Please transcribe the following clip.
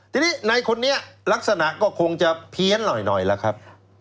ทีนี้ในคนนี้ลักษณะก็คงจะเพี้ยนหน่อยล่ะครับ